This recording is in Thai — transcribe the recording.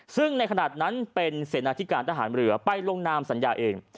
ซึ่งในขณะนั้นเป็นเสนาธิการทหารเรือไปลงนามสัญญาเอง